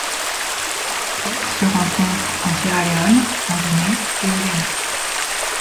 Cette espèce se rencontre en Sierra Leone, en Guinée et au Ghana.